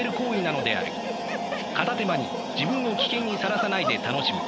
片手間に自分を危険にさらさないで楽しむ。